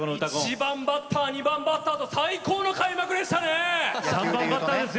１番バッター２番バッターと最高の開幕でしたね！